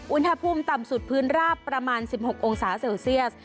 อุณหภูมิต่ำสุดพื้นราบประมาณ๑๖องศาเซลเซียส